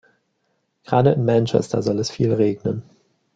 Gerade in Manchester soll es viel regnen.